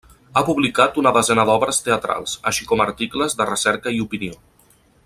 Ha publicat una desena d'obres teatrals, així com articles de recerca i opinió.